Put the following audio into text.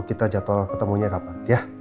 kita jadwal ketemunya kapan ya